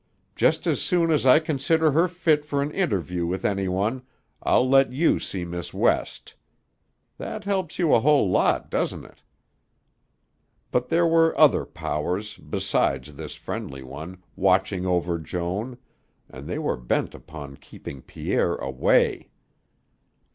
Just as soon as I consider her fit for an interview with any one, I'll let you see Miss West. That helps you a whole lot, doesn't it?" But there were other powers, besides this friendly one, watching over Joan, and they were bent upon keeping Pierre away.